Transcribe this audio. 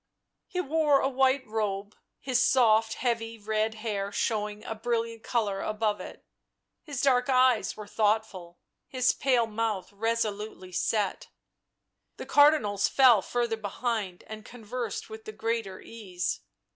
He wore a white robe, his soft heavy red hair showing a brilliant colour above it ; his dark eyes were thoughtful, his pale mouth resolutely set. The Cardinals fell further behind and conversed with the greater ease.